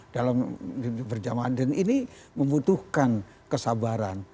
dalam berjamaah dan ini membutuhkan kesabaran